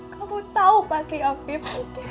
kamu tau pasti hafif